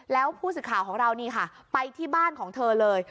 แล้วผู้สื่อข่าวของเรานี่ค่ะไปที่บ้านของเธอเลย